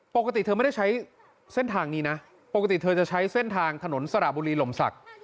ปกติเธอไม่ได้ใช้เส้นทางนี้นะปกติเธอจะใช้เส้นทางถนนสระบุรีลมศักดิ์